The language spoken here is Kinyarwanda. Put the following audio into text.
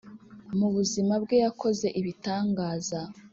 Mu buzima bwe yakoze ibitangaza,